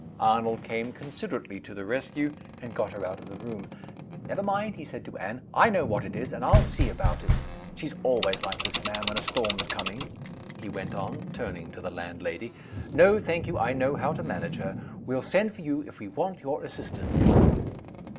Arnold came considerately to the rescue, and got her out of the room. "Never mind," he said to Anne; "I know what it is, and I'll see about it. She's always like this, ma'am, when a storm's coming," he went on, turning to the landlady. "No, thank you I know how to manage her. Well send to you, if we want your assistance."